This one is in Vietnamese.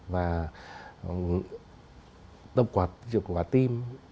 và tâm quả tim